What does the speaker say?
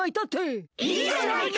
いいじゃないか！